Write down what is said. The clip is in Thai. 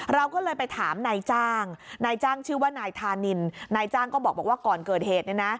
เราก็เลยไปถามนายจ้างนายจ้างชื่อว่านายธานินนายจ้างก็บอกว่าก่อนเกิดเหตุ